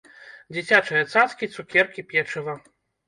Дзіцячыя цацкі, цукеркі, печыва.